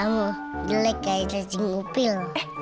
kamu jelek kayak lecing upil